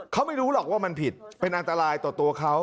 เขาไม่รู้หรอกว่ามันผิดเป็นอันตรายต่อตัวเขา